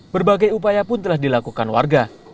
berbagai upaya pun telah dilakukan warga